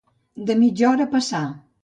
De mitja hora passar.